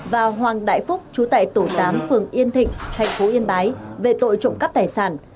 và hoàng đại phúc chú tại tổ tám phường yên thịnh thành phố yên bái về tội trộm cắp tài sản